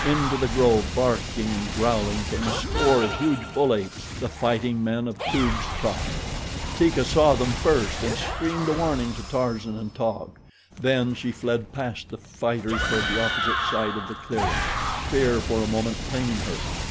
Into the grove, barking and growling, came a score of huge bull apes the fighting men of Toog's tribe. Teeka saw them first and screamed a warning to Tarzan and Taug. Then she fled past the fighters toward the opposite side of the clearing, fear for a moment claiming her.